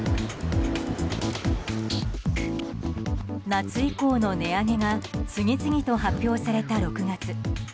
夏以降の値上げが次々と発表された６月。